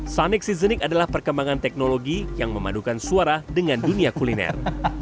sonic seasoning adalah perkembangan teknologi yang memadukan suara dengan dunia kuliner